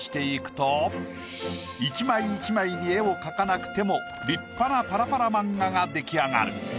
一枚一枚に絵を描かなくても立派なパラパラ漫画が出来上がる。